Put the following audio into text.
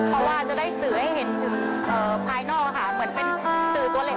เพราะว่าจะได้สื่อให้เห็นถึงภายนอกค่ะเหมือนเป็นสื่อตัวเล็ก